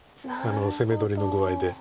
攻め取りの具合で。